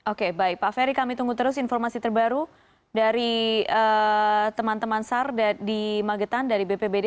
oke baik pak ferry kami tunggu terus informasi terbaru dari teman teman sar di magetan dari bpbd